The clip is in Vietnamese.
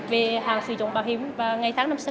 về hàng sử dụng bảo hiểm và ngày tháng năm